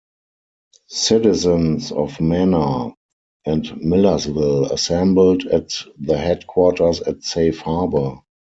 Citizens of Manor and Millersville assembled at the headquarters at Safe Harbor.